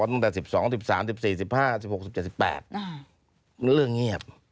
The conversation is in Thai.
จะเลื่อนเงียบ